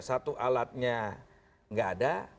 satu alatnya gak ada